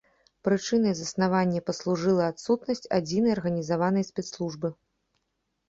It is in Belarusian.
Прычынай заснавання паслужыла адсутнасць адзінай арганізаванай спецслужбы.